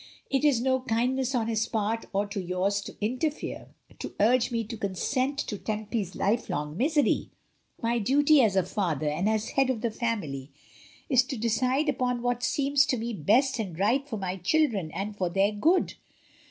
It is no kindness on his part or on yours to interfere — to urge me to consent to Tempy's life long misery. My duty as a father, and as head of the family, is to decide upon what seems to me best and right for my children and for their good.